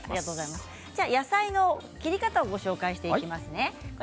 野菜の切り方をご紹介していきますね。